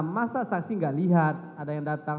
masa saksi tidak lihat ada yang datang